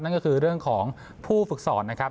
นั่นก็คือเรื่องของผู้ฝึกสอนนะครับ